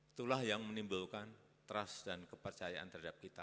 itulah yang menimbulkan trust dan kepercayaan terhadap kita